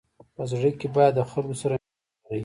په زړه کي باید د خلکو سره مینه ولری.